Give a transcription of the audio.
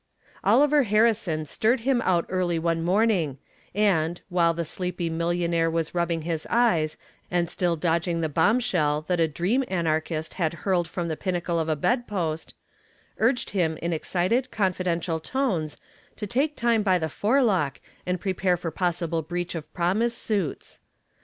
Oliver Harrison stirred him out early one morning and, while the sleepy millionaire was rubbing his eyes and still dodging the bombshell that a dream anarchist had hurled from the pinnacle of a bedpost, urged him in excited, confidential tones to take time by the forelock and prepare for possible breach of promise suits.